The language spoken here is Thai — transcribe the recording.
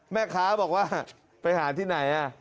แม่ค้าบอกว่าไปหาที่ไหน